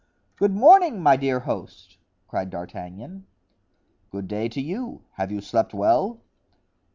"Good morning, my dear host," cried D'Artagnan. "Good day to you; have you slept well?"